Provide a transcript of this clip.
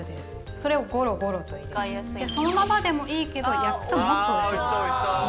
それをゴロゴロと入れてそのままでもいいけど焼くともっとおいしい。